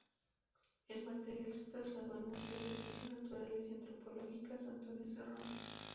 El material se trasladó al Museo de Ciencias Naturales y Antropológicas Antonio Serrano.